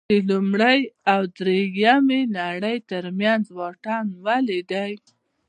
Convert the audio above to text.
د لومړۍ او درېیمې نړۍ ترمنځ واټن ولې دی.